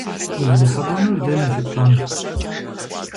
УзрихьэлӀэнур дэнэ щыпщӀэн?